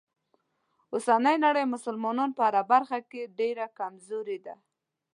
اوسنۍ نړۍ مسلمانان په هره برخه کې ډیره کمزوری دي.